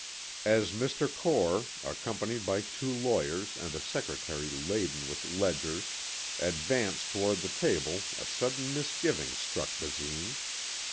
As Mr. Core, accompanied by two lawyers and a secretary laden with ledgers, advanced toward the table a sudden misgiving struck Basine.